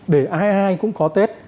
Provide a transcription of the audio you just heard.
để ai ai cũng có tết